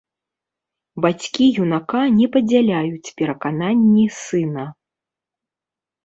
Бацькі юнака не падзяляюць перакананні сына.